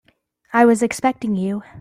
I was expecting you.